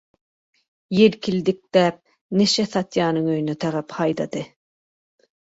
ýelkidikläp neşe satýanyň öýüne tarap haýdady.